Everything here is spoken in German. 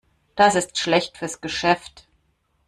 Das ist schlecht fürs Geschäft.